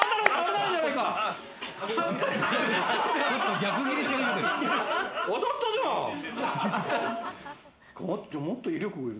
逆ギレしてる。